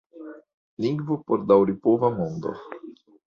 Lingvo por daŭripova mondo.